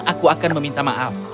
aku akan meminta maaf